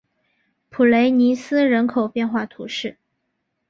普雷尼斯人口变化图示